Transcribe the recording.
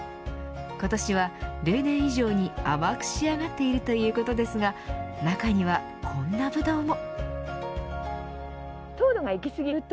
今年は、例年以上に甘く仕上がっているということですが中にはこんなブドウも。